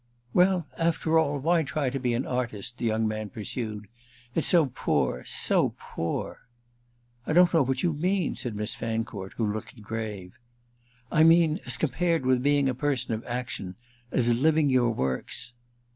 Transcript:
"Well, after all, why try to be an artist?" the young man pursued. "It's so poor—so poor!" "I don't know what you mean," said Miss Fancourt, who looked grave. "I mean as compared with being a person of action—as living your works."